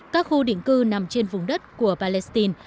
các khu định cư nằm trên vùng đất của palestine